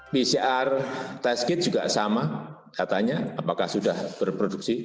pcr test kit juga sama katanya apakah sudah berproduksi